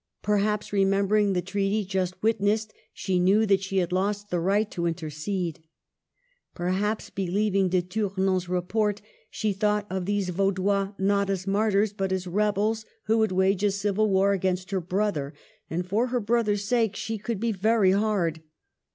Perhaps, remembering the treaty just witnessed, she knew that she had lost the right to intercede. Perhaps, believing De Tournon's report, she thought of these Vaudois not as mar tyrs, but as rebels who would wage a civil war against her brother ; and for her brother's sake she could be very hard.